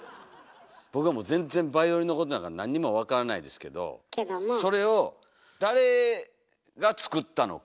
僕はもう全然バイオリンのことなんか何にも分からないですけどそれを誰が作ったのか。